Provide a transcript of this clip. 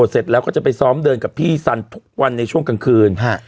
เสร็จแล้วก็จะไปซ้อมเดินกับพี่สันทุกวันในช่วงกลางคืน